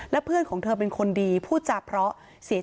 แล้วเพื่อนของเธอเป็นคนดีผู้จ่าเผาะ